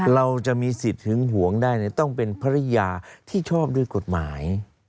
เราจะมีสิทธิ์หึงหวงได้ต้องเป็นภรรยาที่ชอบด้วยกฎหมาย